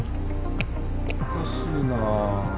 おかしいな。